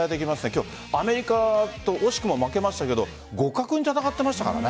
今日、アメリカと惜しくも負けましたが互角に戦っていましたからね。